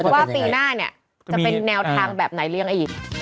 ว่าปีหน้าจะเป็นแนวทางแบบไหนเรียงอีก